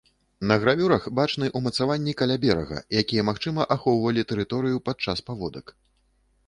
На гравюрах бачны умацаванні каля берага, якія магчыма ахоўвалі тэрыторыю падчас паводак.